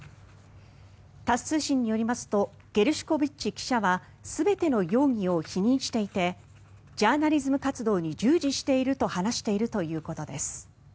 タス通信によりますとゲルシュコビッチ記者は全ての容疑を否認していてジャーナリズム活動に従事していると話しているということです。